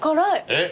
えっ？